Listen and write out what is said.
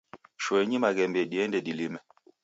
Shooenyi maghembe diende dilime